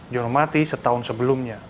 jono mati setahun sebelumnya